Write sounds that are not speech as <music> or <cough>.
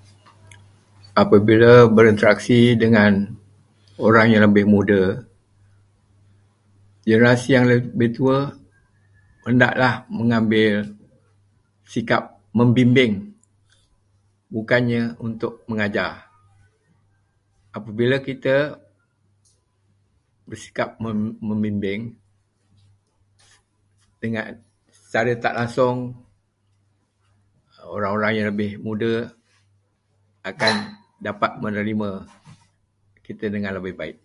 <noise> Apabila berinteraksi dengan orang yang lebih muda, generasi yang lebih tua hendaklah mengambil sikap membimbing, bukannya untuk mengajar. Apabila kita bersikap membimbing, dengan secara tak langsung, orang-orang yang lebih muda dapat menerima kita dengan lebih baik.